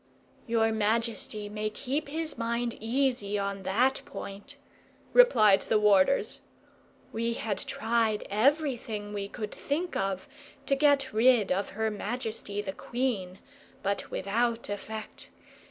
"Your majesty may keep his mind easy on that point," replied the warders. "We had tried everything we could think of to get rid of her majesty the queen, but without effect.